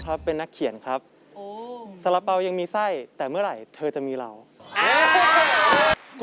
ต้อนคุณซอยหอมนี่ซอยเร็วไหมครับ